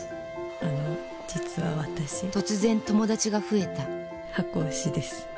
あの実は私突然友達が増えた箱推しです。